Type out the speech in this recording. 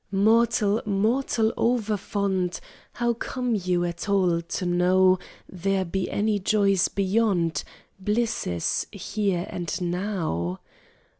"Mortal, mortal, overfond, How come you at all to know There be any joys beyond Blisses here and now?"